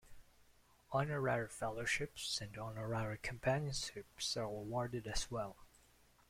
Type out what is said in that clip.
Honorary Fellowships and Honorary Companionships are awarded as well.